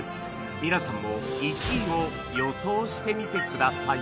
皆さんも１位を予想してみてください